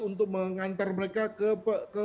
untuk mengantar mereka ke